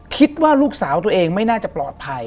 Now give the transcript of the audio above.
คิดว่าลูกสาวตัวเองไม่น่าจะปลอดภัย